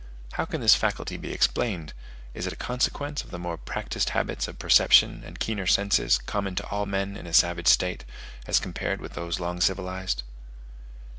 How can this faculty be explained? is it a consequence of the more practised habits of perception and keener senses, common to all men in a savage state, as compared with those long civilized?